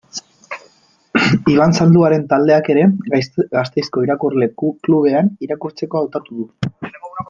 Iban Zalduaren taldeak ere, Gasteizko Irakurle Klubean, irakurtzeko hautatu du.